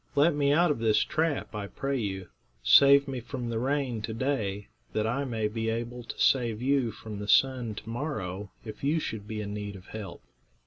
Let me out of this trap, I pray you. Save me from the rain to day, that I may be able to save you from the sun to morrow, if you should be in need of help."